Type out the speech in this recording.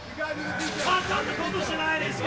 簡単なことじゃないですか。